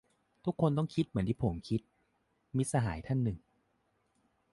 "ทุกคนต้องคิดเหมือนที่ผมคิด" - มิตรสหายท่านหนึ่ง